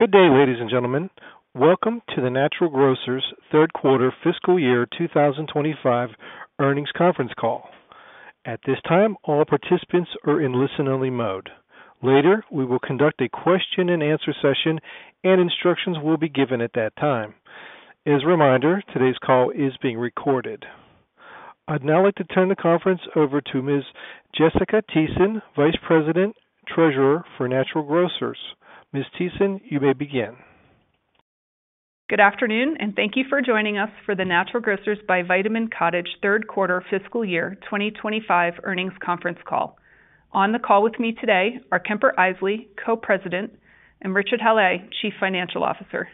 Good day, ladies and gentlemen. Welcome to the Natural Grocers Third Quarter Fiscal Year 2025 Earnings Conference Call. At this time, all participants are in listen-only mode. Later, we will conduct a question and answer session, and instructions will be given at that time. As a reminder, today's call is being recorded. I'd now like to turn the conference over to Ms. Jessica Thiessen, Vice President and Treasurer for Natural Grocers. Ms. Thiessen, you may begin. Good afternoon, and thank you for joining us for the Natural Grocers by Vitamin Cottage Third Quarter Fiscal Year 2025 Earnings Conference Call. On the call with me today are Kemper Isely, Co-president, and Richard Hallé, Chief Financial Officer.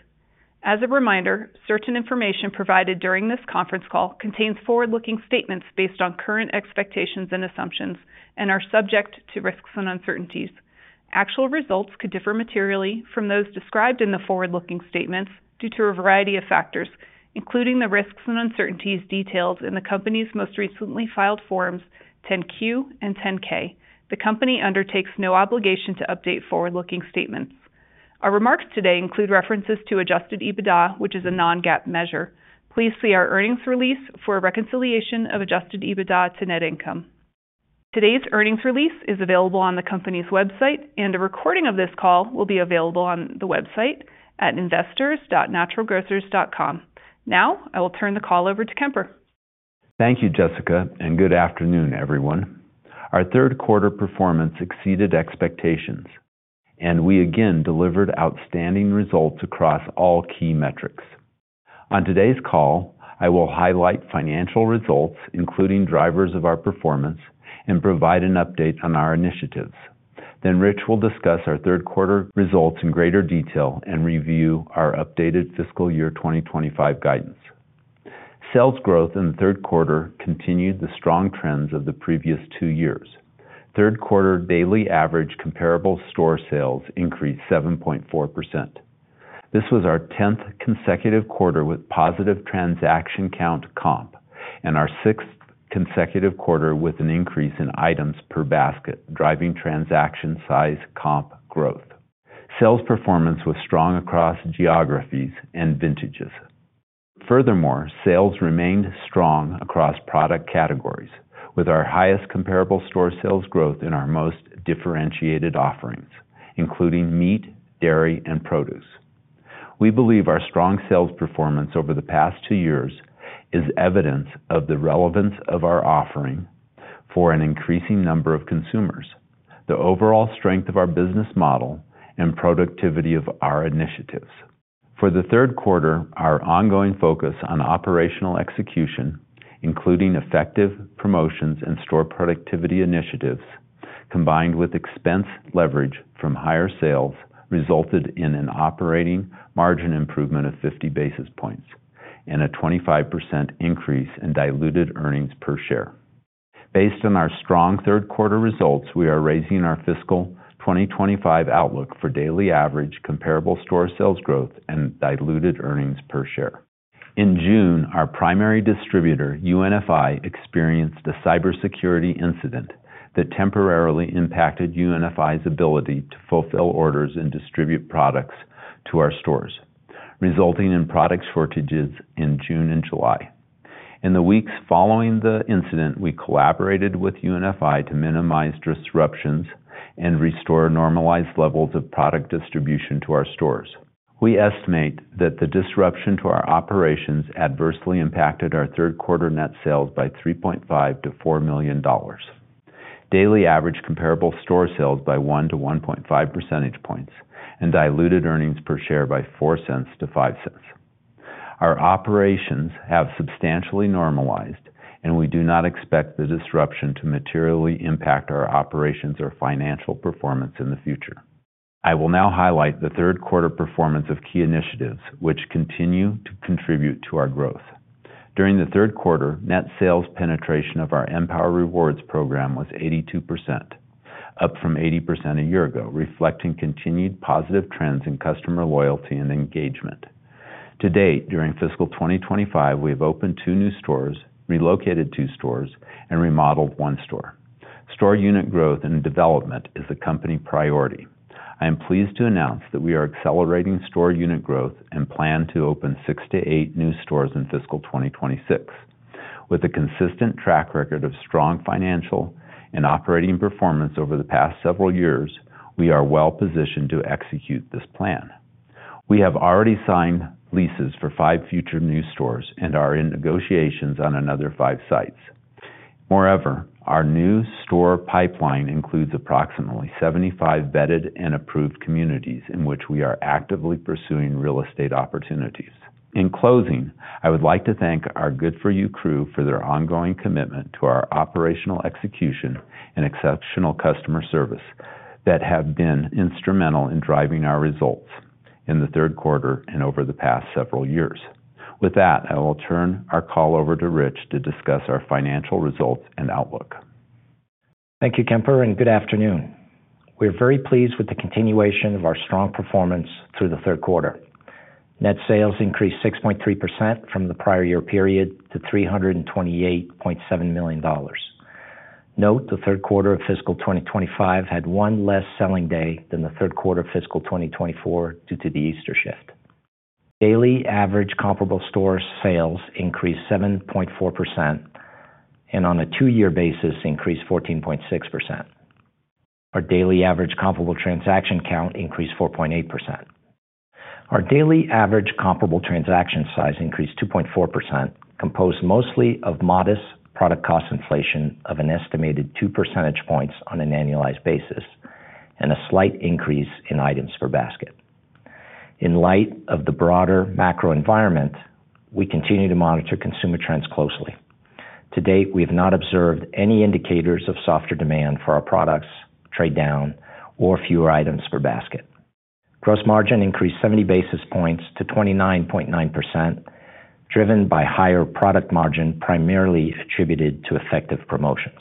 As a reminder, certain information provided during this conference call contains forward-looking statements based on current expectations and assumptions and are subject to risks and uncertainties. Actual results could differ materially from those described in the forward-looking statements due to a variety of factors, including the risks and uncertainties detailed in the company's most recently filed forms 10-Q and 10-K. The company undertakes no obligation to update forward-looking statements. Our remarks today include references to adjusted EBITDA, which is a non-GAAP measure. Please see our earnings release for reconciliation of adjusted EBITDA to net income. Today's earnings release is available on the company's website, and a recording of this call will be available on the website at investors.naturalgrocers.com. Now, I will turn the call over to Kemper. Thank you, Jessica, and good afternoon, everyone. Our third quarter performance exceeded expectations, and we again delivered outstanding results across all key metrics. On today's call, I will highlight financial results, including drivers of our performance, and provide an update on our initiatives. Rich will discuss our third quarter results in greater detail and review our updated fiscal year 2025 guidance. Sales growth in the third quarter continued the strong trends of the previous two years. Third quarter daily average comparable store sales increased 7.4%. This was our 10th consecutive quarter with positive transaction count comps, and our 6th consecutive quarter with an increase in items per basket, driving transaction size comp growth. Sales performance was strong across geographies and vintages. Furthermore, sales remained strong across product categories, with our highest comparable store sales growth in our most differentiated offerings, including meat, dairy, and produce. We believe our strong sales performance over the past two years is evidence of the relevance of our offering for an increasing number of consumers, the overall strength of our business model, and productivity of our initiatives. For the third quarter, our ongoing focus on operational execution, including effective promotions and store productivity initiatives, combined with expense leverage from higher sales, resulted in an operating margin improvement of 50 basis points and a 25% increase in diluted earnings per share. Based on our strong third quarter results, we are raising our fiscal 2025 outlook for daily average comparable store sales growth and diluted earnings per share. In June, our primary distributor, UNFI, experienced a cybersecurity incident that temporarily impacted UNFI's ability to fulfill orders and distribute products to our stores, resulting in product shortages in June and July. In the weeks following the incident, we collaborated with UNFI to minimize disruptions and restore normalized levels of product distribution to our stores. We estimate that the disruption to our operations adversely impacted our third quarter net sales by $3.5 million-$4 million, daily average comparable store sales by 1 percentage point-1.5 percentage points, and diluted earnings per share by $0.04-$0.05. Our operations have substantially normalized, and we do not expect the disruption to materially impact our operations or financial performance in the future. I will now highlight the third quarter performance of key initiatives, which continue to contribute to our growth. During the third quarter, net sales penetration of our {N}power rewards program was 82%, up from 80% a year ago, reflecting continued positive trends in customer loyalty and engagement. To date, during fiscal 2025, we have opened two new stores, relocated two stores, and remodeled one store. Store unit growth and development is a company priority. I am pleased to announce that we are accelerating store unit growth and plan to open six to eight new stores in fiscal 2026. With a consistent track record of strong financial and operating performance over the past several years, we are well positioned to execute this plan. We have already signed leases for five future new stores and are in negotiations on another five sites. Moreover, our new store pipeline includes approximately 75 vetted and approved communities in which we are actively pursuing real estate opportunities. In closing, I would like to thank our good4u crew for their ongoing commitment to our operational execution and exceptional customer service that have been instrumental in driving our results in the third quarter and over the past several years. With that, I will turn our call over to Rich to discuss our financial results and outlook. Thank you, Kemper, and good afternoon. We are very pleased with the continuation of our strong performance through the third quarter. Net sales increased 6.3% from the prior year period to $328.7 million. Note, the third quarter of fiscal 2025 had one less selling day than the third quarter of fiscal 2024 due to the Easter shift. Daily average comparable store sales increased 7.4% and, on a two-year basis, increased 14.6%. Our daily average comparable transaction count increased 4.8%. Our daily average comparable transaction size increased 2.4%, composed mostly of modest product cost inflation of an estimated two percentage points on an annualized basis and a slight increase in items per basket. In light of the broader macro environment, we continue to monitor consumer trends closely. To date, we have not observed any indicators of softer demand for our products, trade down, or fewer items per basket. Gross margin increased 70 basis points to 29.9%, driven by higher product margin primarily attributed to effective promotions.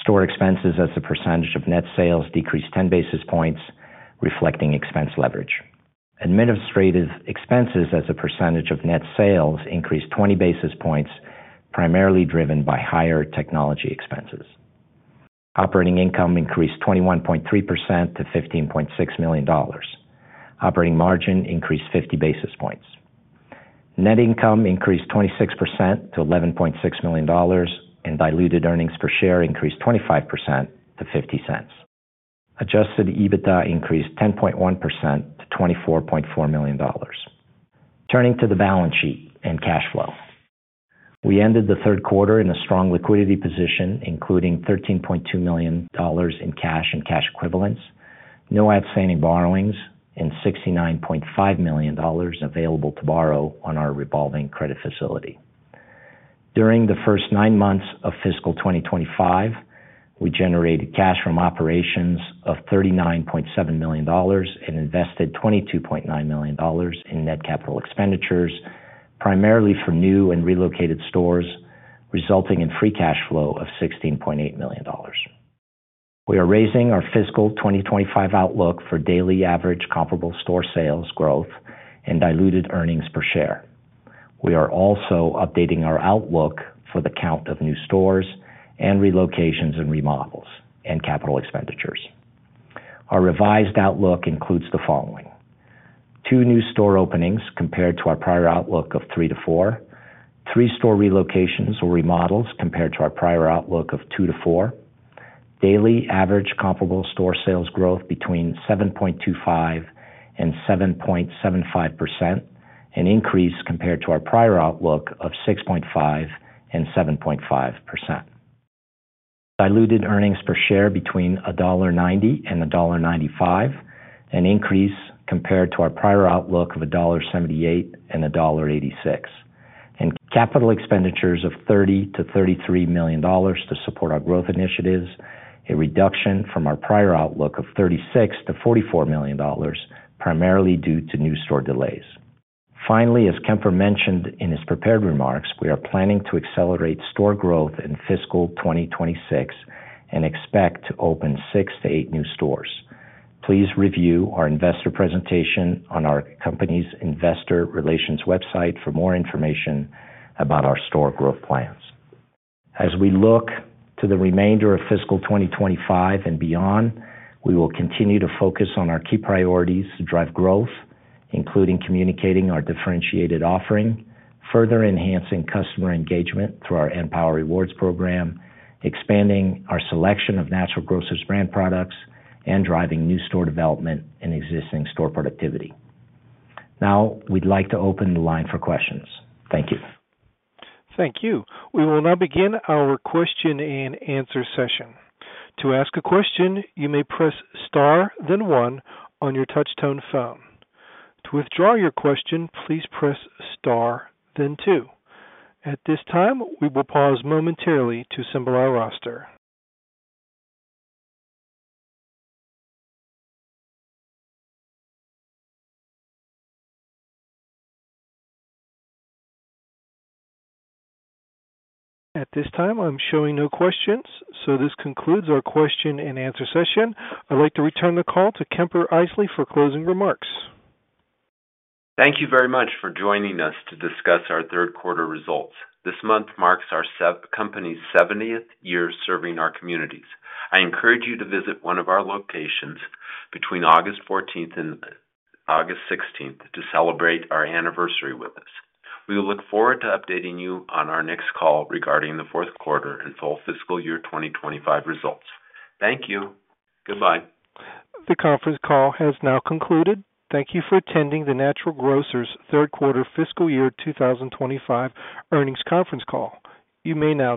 Store expenses as a percentage of net sales decreased 10 basis points, reflecting expense leverage. Administrative expenses as a percentage of net sales increased 20 basis points, primarily driven by higher technology expenses. Operating income increased 21.3% to $15.6 million. Operating margin increased 50 basis points. Net income increased 26% to $11.6 million, and diluted earnings per share increased 25% to $0.50. Adjusted EBITDA increased 10.1% to $24.4 million. Turning to the balance sheet and cash flow, we ended the third quarter in a strong liquidity position, including $13.2 million in cash and cash equivalents, no outstanding borrowings, and $69.5 million available to borrow on our revolving credit facility. During the first nine months of fiscal 2025, we generated cash from operations of $39.7 million and invested $22.9 million in net capital expenditures, primarily for new and relocated stores, resulting in free cash flow of $16.8 million. We are raising our fiscal 2025 outlook for daily average comparable store sales growth and diluted earnings per share. We are also updating our outlook for the count of new stores and relocations and remodels and capital expenditures. Our revised outlook includes the following: two new store openings compared to our prior outlook of three to four, three store relocations or remodels compared to our prior outlook of two to four, daily average comparable store sales growth between 7.25% and 7.75%, an increase compared to our prior outlook of 6.5% and 7.5%. Diluted earnings per share between $1.90 and $1.95, an increase compared to our prior outlook of $1.78 and $1.86. Capital expenditures of $30 million-$33 million to support our growth initiatives, a reduction from our prior outlook of $36 million-$44 million, primarily due to new store delays. Finally, as Kemper mentioned in his prepared remarks, we are planning to accelerate store growth in fiscal 2026 and expect to open six to eight new stores. Please review our investor presentation on our company's investor relations website for more information about our store growth plans. As we look to the remainder of fiscal 2025 and beyond, we will continue to focus on our key priorities to drive growth, including communicating our differentiated offering, further enhancing customer engagement through our {N}power rewards program, expanding our selection of Natural Grocers brand products, and driving new store development and existing store productivity. Now, we'd like to open the line for questions. Thank you. Thank you. We will now begin our question and answer session. To ask a question, you may press star, then one on your touch-tone phone. To withdraw your question, please press star, then two. At this time, we will pause momentarily to assemble our roster. At this time, I'm showing no questions, so this concludes our question and answer session. I'd like to return the call to Kemper Isely for closing remarks. Thank you very much for joining us to discuss our third quarter results. This month marks our company's 70th year serving our communities. I encourage you to visit one of our locations between August 14th and August 16th to celebrate our anniversary with us. We will look forward to updating you on our next call regarding the fourth quarter and full fiscal year 2025 results. Thank you. Goodbye. The conference call has now concluded. Thank you for attending the Natural Grocers Third Quarter Fiscal Year 2025 Earnings Conference Call. You may now.